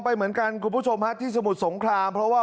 ไปเหมือนกันคุณผู้ชมฮะที่สมุทรสงครามเพราะว่า